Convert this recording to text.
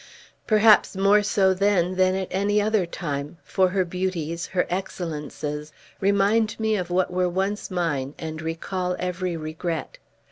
"Perhaps more so then than at any other time; for her beauties, her excellences, remind me of what were once mine, and recall every regret.